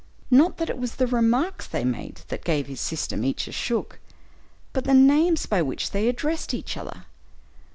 Not that it was the remarks they made that gave his system each a shook, but the names by which they addressed each other.